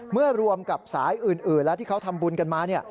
เมื่อรวมกับสายอื่นแล้วที่เขาทำบุญกันมา